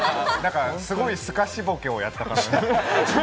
すごいすかしボケをやった感じで。